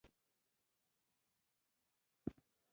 دوی کورنۍ له لویدیځ تمدن سره اشنا وه.